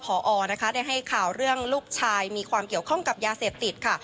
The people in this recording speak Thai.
พอนะคะได้ให้ข่าวเรื่องลูกชายมีความเกี่ยวข้องกับยาเสพติดค่ะ